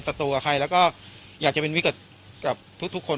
สัตว์กับใครแล้วก็อยากจะเป็นวิกฤตกับทุกทุกคน